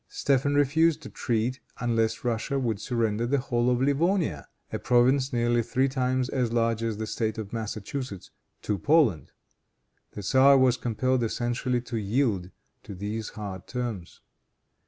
Stephen refused to treat unless Russia would surrender the whole of Livonia, a province nearly three times as large as the State of Massachusetts, to Poland. The tzar was compelled essentially to yield to these hard terms.